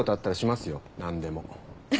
何でも？